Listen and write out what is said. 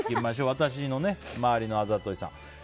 私の周りのあざといさん。